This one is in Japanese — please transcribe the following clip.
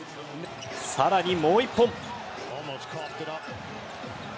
更にもう１本。